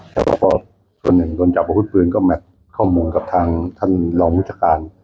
ฮแต่พอตัวหนึ่งโดนจับส่วนปื้นก็แมทข้อมูลกับทางท่านลองผู้ชการ